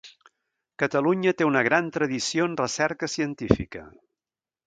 Catalunya té una gran tradició en recerca científica.